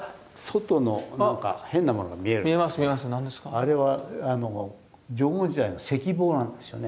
あれは縄文時代の石棒なんですよね。